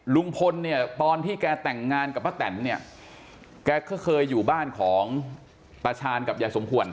ลุงพลเนี่ยตอนที่แกแต่งงานกับป้าแตนเนี่ยแกก็เคยอยู่บ้านของตาชาญกับยายสมควร